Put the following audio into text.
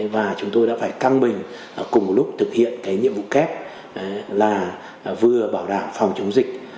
và chúng tôi đã phải căng mình cùng một lúc thực hiện cái nhiệm vụ kép là vừa bảo đảm phòng chống dịch